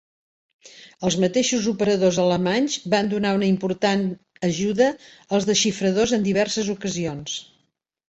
Els mateixos operadors alemanys van donar una important ajuda als desxifradors en diverses ocasions.